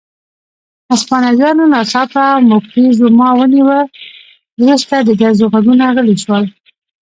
هسپانویانو ناڅاپه موکتیزوما ونیوه، وروسته د ډزو غږونه غلي شول.